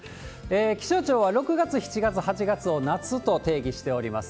気象庁は６月、７月、８月を夏と定義しております。